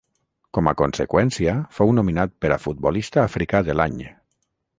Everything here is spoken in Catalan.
Com a conseqüència, fou nominat per a Futbolista africà de l'any.